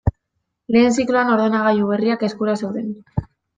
Lehen zikloan ordenagailu berriak eskura zeuden.